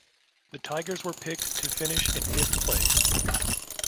The Tigers were picked to finish in fifth place.